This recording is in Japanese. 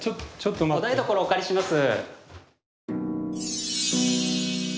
お台所お借りします。